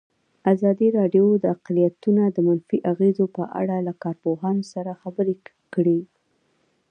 ازادي راډیو د اقلیتونه د منفي اغېزو په اړه له کارپوهانو سره خبرې کړي.